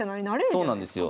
そうなんですよ。